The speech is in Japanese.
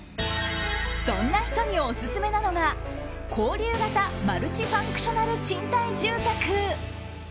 そんな人にオススメなのが交流型マルチファンクショナル賃貸住宅。